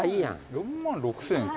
４万６，０００円か。